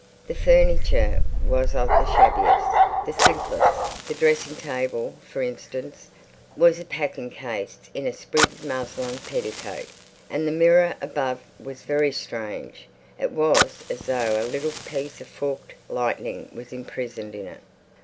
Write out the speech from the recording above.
The furniture was of the shabbiest, the simplest. The dressing table, for instance, was a packing case in a sprigged muslin petticoat, and the mirror above was very strange; it was as though a little piece of forked lightning was imprisoned in it.